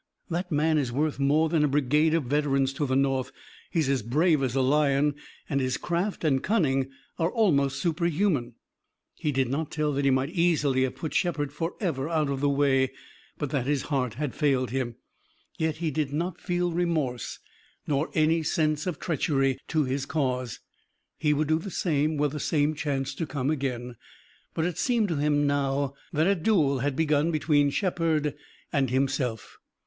That man is worth more than a brigade of veterans to the North. He's as brave as a lion, and his craft and cunning are almost superhuman." He did not tell that he might easily have put Shepard forever out of the way, but that his heart had failed him. Yet he did not feel remorse nor any sense of treachery to his cause. He would do the same were the same chance to come again. But it seemed to him now that a duel had begun between Shepard and himself.